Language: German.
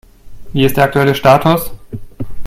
Wie ist der aktuelle Status?